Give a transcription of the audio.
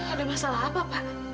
ada masalah apa pak